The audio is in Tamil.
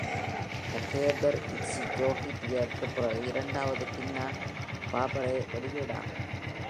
இது, hey there, it's Yogi Bear -க்குப் பிறகு, இரண்டாவது ஹன்னா-பார்பெரா வெளியீடாகும்!